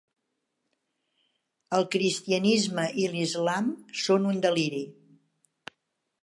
El cristianisme i l'islam són un deliri.